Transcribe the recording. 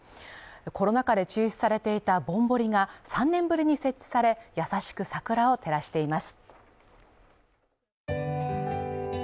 コロナ禍で中止されていたぼんぼりが３年ぶりに設置され優しく桜を照らしています。